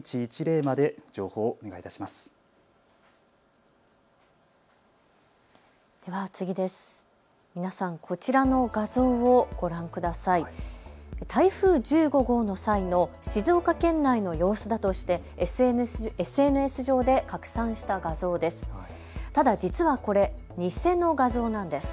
台風１５号の際の静岡県内の様子だとしてＳＮＳ上で拡散した画像です。